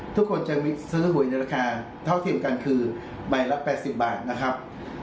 ทุกคนจะซื้อหวยในราคาเท่าเทียมกันคือใบละ๘๐บาทนะครับ